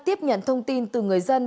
tiếp nhận thông tin từ người dân